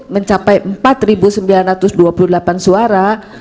mencapai empat sembilan ratus dua puluh delapan suara